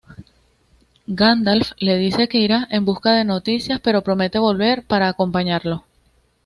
Gandalf le dice que irá en busca de noticias, pero promete volver para acompañarlo.